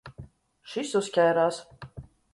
Šis uzķērās.